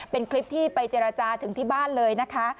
เป็นคลิปที่ไปเจรจาถึงที่บ้านเลยนะคะ